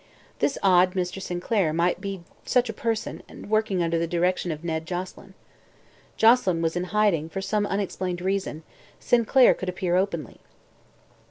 This odd Mr. Sinclair might be such a person and working under the direction of Ned Joselyn. Joselyn was in hiding, for some unexplained reason; Sinclair could appear openly.